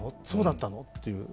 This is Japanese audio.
そうだったの？